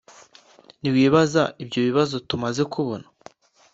niwibaza ibyo bibazo tumaze kubona